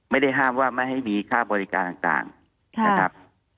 ไม่ได้ห้ามว่าไม่ให้มีค่าบริการต่างนะครับ